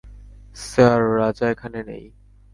Sir, Raja এখানে নেই।